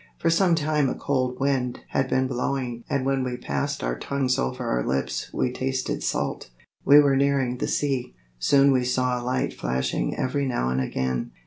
For some time a cold wind had been blowing and when we passed our tongues over our lips we tasted salt. We were nearing the sea. Soon we saw a light flashing every now and again.